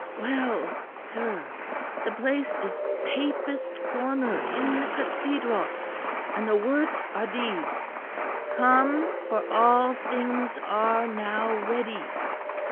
"Well, sir, the place is Papists' Corner in the Cathedral, and the words are these, 'Come, for all things are now ready.'